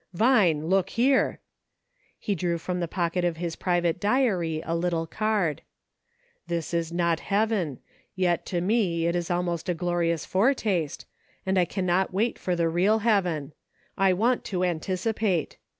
"Vine, look here ;" he drew from the pocket of his private diary a little card. " This is not heaven, yet to me it is almost a glorious foretaste, and I cannot wait for the real heaven : I want to antici pate.